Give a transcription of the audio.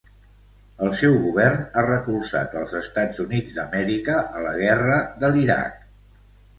El seu govern a recolzat els Estats Units d'Amèrica a la guerra de l'Iraq.